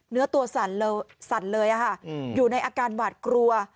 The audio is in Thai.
เนื้อตัวสั่นสั่นเลยอ่ะค่ะอืมอยู่ในอาการหวาดกลัว